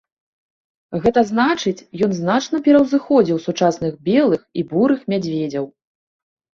Гэта значыць ён значна пераўзыходзіў сучасных белых і бурых мядзведзяў.